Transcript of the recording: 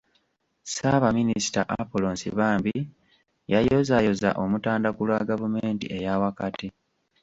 Ssaabaminisita Apollo Nsibambi yayozaayoza Omutanda ku lwa gavumenti eya wakati.